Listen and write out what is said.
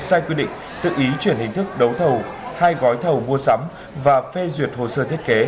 sai quy định tự ý chuyển hình thức đấu thầu hai gói thầu mua sắm và phê duyệt hồ sơ thiết kế